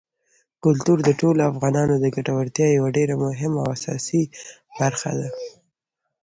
کلتور د ټولو افغانانو د ګټورتیا یوه ډېره مهمه او اساسي برخه ده.